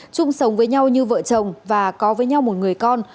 chung sống với nhau như vợ chồng và có với nhau một người con